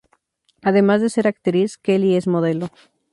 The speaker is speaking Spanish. Además de ser actriz, Kelly es modelo.